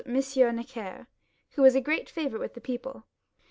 Necker, who was a great favourite with the people.